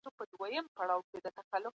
ايا ته هم د خپل پلار په څېر فکر کوې؟